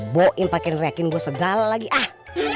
boin pake rekin gue segala lagi ah